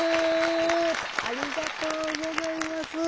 ありがとうございます。